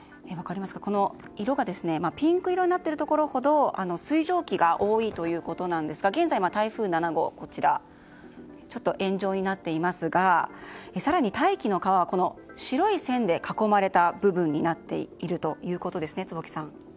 色がピンク色になっているところほど水蒸気が多いということなんですが現在、台風７号はちょっと円状になっていますが更に大気の川は白い線で囲まれた部分になっているということですね。